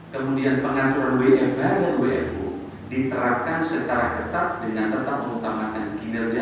kemudian pengaturan wfh dan wfo diterapkan secara ketat dengan tetap mengutamakan kinerja